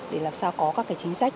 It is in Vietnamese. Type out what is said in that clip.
để làm sao có các chính sách